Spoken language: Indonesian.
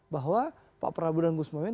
bahwa pak prabowo dan gus mohaimin